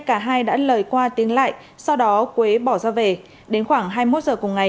cả hai đã lời qua tiếng lại sau đó quế bỏ ra về đến khoảng hai mươi một giờ cùng ngày